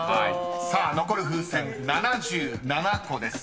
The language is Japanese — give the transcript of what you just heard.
［さあ残る風船７７個です］